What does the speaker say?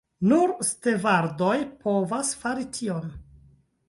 Nur stevardoj povas fari tion.